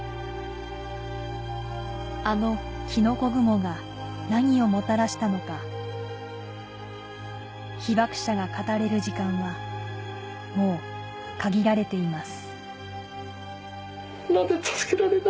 あのきのこ雲が何をもたらしたのか被爆者が語れる時間はもう限られています